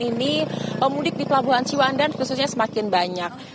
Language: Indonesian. ini pemudik di pelabuhan ciwan dan khususnya semakin banyak